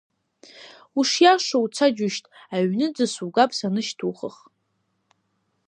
Ушиашоу уца, џьушьт, аҩнынӡа сугап санышьҭухых…